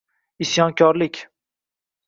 Isyonkorlik